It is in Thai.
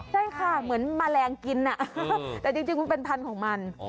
ใช่ค่ะเหมือนแมลงกินแต่จริงมันเป็นพันธุ์ของมัน